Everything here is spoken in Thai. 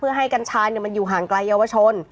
เพื่อให้กัญชามันอยู่ห่างไกลเยาวชน